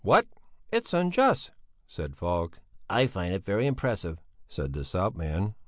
What?" "It's unjust," said Falk. "I find it very impressive," said the stout man.